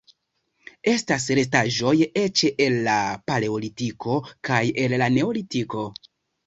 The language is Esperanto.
Estas restaĵoj eĉ el la Paleolitiko kaj el la Neolitiko.